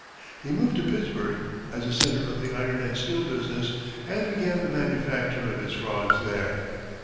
He moved to Pittsburgh, as the centre of the iron and steel business, and began the manufacture of his frogs there.